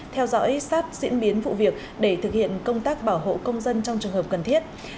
theo dõi sát diễn biến vụ việc để thực hiện công tác bảo hộ công dân trong trường hợp cần thiết